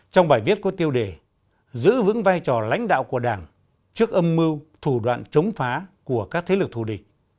trong bài viết có tiêu đề giữ vững vai trò lãnh đạo của đảng trước âm mưu thủ đoạn chống phá của các thế lực thù địch